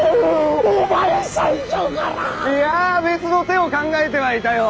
いやぁ別の手を考えてはいたよ。